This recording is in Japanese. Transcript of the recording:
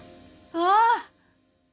ああ！